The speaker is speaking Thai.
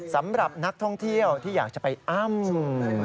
สำหรับนักท่องเที่ยวที่อยากจะไปอ้ำ